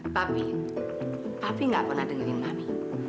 papi papi gak pernah dengerin mami